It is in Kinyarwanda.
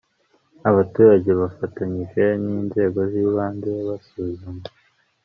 Abaturage bafatanyije n inzego z ibanze basuzuma